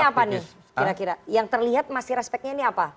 yang terlihat masih respectnya ini apa